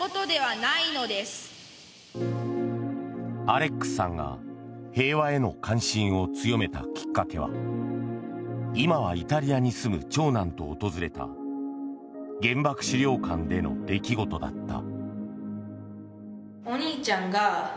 アレックスさんが平和への関心を強めたきっかけは今はイタリアに住む長男と訪れた原爆資料館での出来事だった。